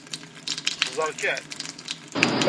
Xezzeṛ kan.